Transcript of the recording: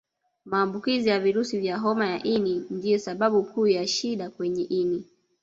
Maambukizi ya virusi vya homa ya ini ndio sababu kuu ya shida kwenye ini